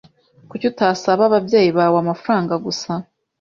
Kuki utasaba ababyeyi bawe amafaranga gusa?